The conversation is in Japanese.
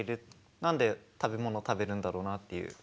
何で食べ物を食べるんだろうなっていう。